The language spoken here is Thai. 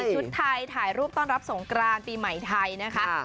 ชุดไทยถ่ายรูปต้อนรับสงกรานปีใหม่ไทยนะคะ